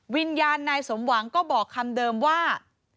วิญญาณนายสมหวังก็บอกคำเดิมว่า